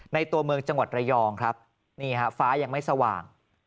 ตัวเมืองจังหวัดระยองครับนี่ฮะฟ้ายังไม่สว่าง